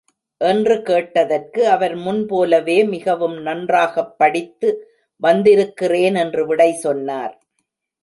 என்று கேட்டதற்கு, அவர் முன்போலவே, மிகவும் நன்றாகப் படித்து வந்திருக்கிறேன் என்று விடை சொன்னார்.